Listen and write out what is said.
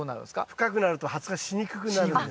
深くなると発芽しにくくなるんです。